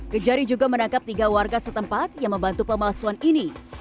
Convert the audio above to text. kejari juga menangkap tiga warga setempat yang membantu pemalsuan ini